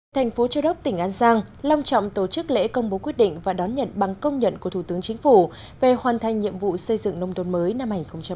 thành phố châu đốc tỉnh an giang long trọng tổ chức lễ công bố quyết định và đón nhận bằng công nhận của thủ tướng chính phủ về hoàn thành nhiệm vụ xây dựng nông thôn mới năm hai nghìn một mươi chín